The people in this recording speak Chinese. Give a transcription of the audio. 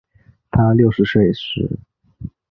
她六十岁时